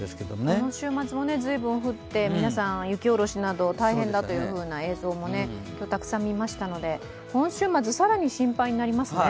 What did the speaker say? この週末も随分降って、皆さん雪下ろしなど大変だという映像もたくさん見ましたので今週末、更に心配になりますね。